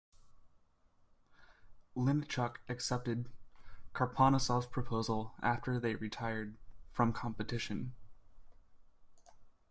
Linichuk accepted Karponosov's proposal after they retired from competition.